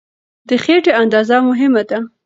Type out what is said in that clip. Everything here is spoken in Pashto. د خېټې اندازه مهمه ده.